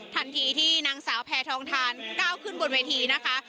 ทันทีที่นางสาวแพทองทานก้าวขึ้นบนเวทีนะคะ